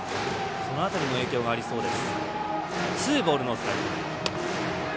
その辺りの影響がありそうです。